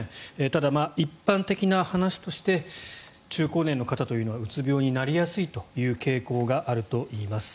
ただ、一般的な話として中高年の方というのはうつ病になりやすいという傾向があるといいます。